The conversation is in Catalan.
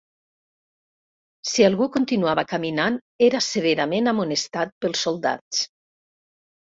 Si algú continuava caminant era severament amonestat pels soldats.